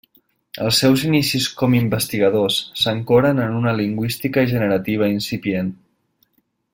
Els seus inicis com investigador s'ancoren en una lingüística generativa incipient.